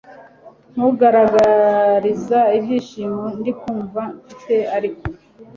nkugaragariza ibyishimo ndikumva mfite ariko